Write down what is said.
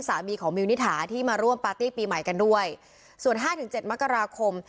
สามีของมิวนิถาที่มาร่วมปาร์ตี้ปีใหม่กันด้วยส่วนห้าถึงเจ็ดมกราคม